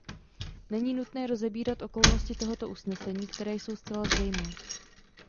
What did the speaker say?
Není nutné rozebírat okolnosti tohoto usnesení, které jsou zcela zřejmé.